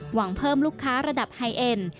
หวังเพิ่มลูกค้าระดับไฮเอ็น